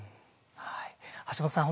橋本さん